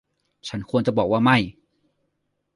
ฉันควรจะบอกว่าไม่